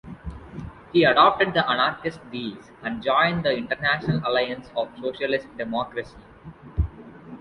He adopted the anarchist these and joined the International Alliance of Socialist Democracy.